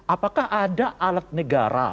apakah ada alat negara